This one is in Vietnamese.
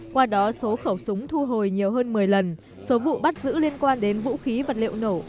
qua đó số khẩu súng thu hồi nhiều hơn một mươi lần số vụ bắt giữ liên quan đến vũ khí vật liệu nổ